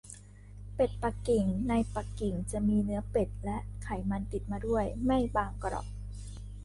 เป็ดปักกิ่งในปักกิ่งจะมีเนื้อเป็ดและไขมันติดมาด้วย ไม่บางกรอบ